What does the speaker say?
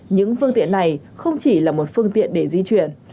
những phương tiện này không chỉ là một phương tiện để di chuyển